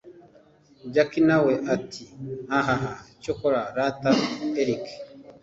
jack nawe ati hahah cyakora rata erick